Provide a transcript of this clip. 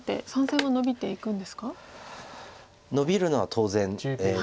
ノビるのは当然。